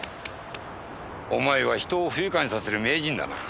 お前は人を不愉快にさせる名人だな。